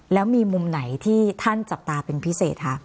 แล้วมีมุมไหนที่ท่านจับตาเป็นพิเศษคะ